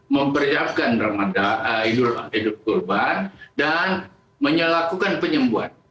memperiapkan ramadhan hidup turban dan melakukan penyembuhan